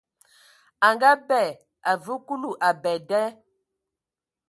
A ngaabɛ, a vǝǝ Kulu abɛ da.